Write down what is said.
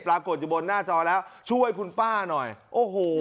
ปรากฏอยู่บนหน้าจอแล้วช่วยคุณป้าหน่อยโอ้โห